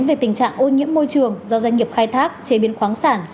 về tình trạng ô nhiễm môi trường do doanh nghiệp khai thác chế biến khoáng sản